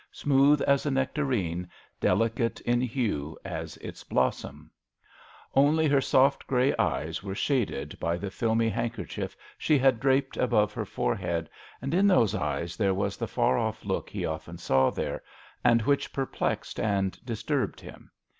smooth as a nectarine, delicate in hue as its blossom ; only her soft grey eyes were shaded by the filmy handkerchief she had draped above her forehead, and in those eyes there was the far off look he often saw there, and which perplexed and dis turbed him.